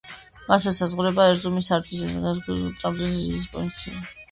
მას ესაზღვრება ერზურუმის, ერზინჯანის გუმუშჰანეს, ტრაბზონის და რიზეს პროვინციები.